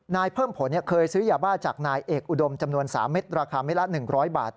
เพิ่มผลเคยซื้อยาบ้าจากนายเอกอุดมจำนวน๓เม็ดราคาเม็ดละ๑๐๐บาท